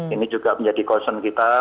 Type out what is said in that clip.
ini juga menjadi concern kita